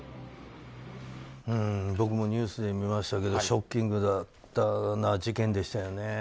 僕もニュースで見ましたけどショッキングな事件でしたよね。